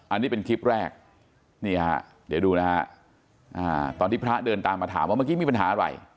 อันนี้เป็นคลิปแรกนี่ฮะเดี๋ยวดูนะฮะตอนที่พระเดินตามมาถามว่าเมื่อกี้มีปัญหาอะไร